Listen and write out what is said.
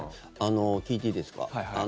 聞いていいですか？